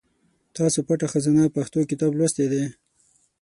تاسو پټه خزانه پښتو کتاب لوستی دی ؟